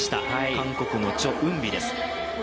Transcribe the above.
韓国のチョ・ウンビです。